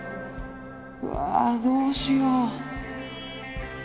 うわどうしよう。